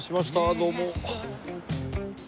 どうも。